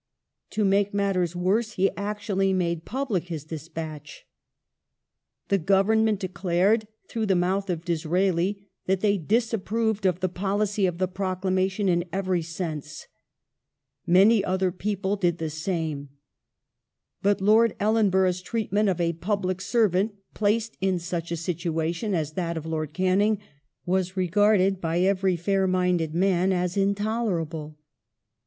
To make matters worse he actually made public his de spatch. The Government declared, through the mouth of Disraeli, that they " disapproved of the policy of the proclamation in every sense ". Many other people did the same. But Lord Ellenborough's treatment of a public servant placed in such a situation as that of Lord Canning was regarded by every fair minded man as intoler able.